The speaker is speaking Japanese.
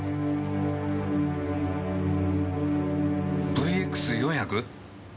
ＶＸ４００？